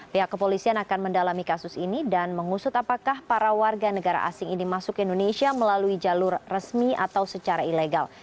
pihak kepolisian akan mendalami kasus ini dan mengusut apakah para warga negara asing ini masuk ke indonesia melalui jalur resmi atau secara ilegal